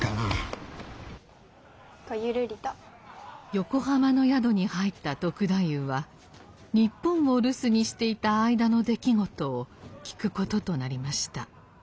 横浜の宿に入った篤太夫は日本を留守にしていた間の出来事を聞くこととなりました。